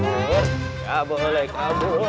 gak boleh kabur